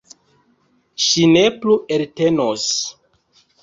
Ŝi ne plu eltenos.